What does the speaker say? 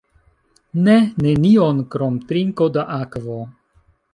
Ne, nenion, krom trinko da akvo.